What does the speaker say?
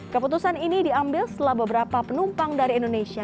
keputusan ini diambil setelah beberapa penumpang dari indonesia